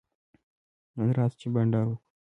نن راسه چي بانډار وکو.